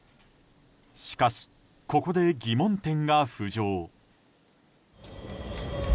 しかし、ここで疑問点が浮上。